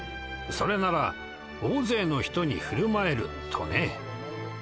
それなら大勢の人に振る舞える」とね。